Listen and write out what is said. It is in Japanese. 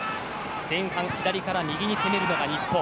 前半、左から右に攻めるのが日本。